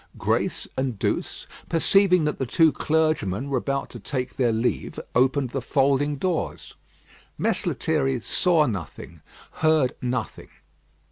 Grace and Douce, perceiving that the two clergymen were about to take their leave, opened the folding doors. Mess Lethierry saw nothing; heard nothing.